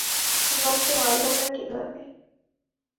তোমাকে মারলো না কীভাবে?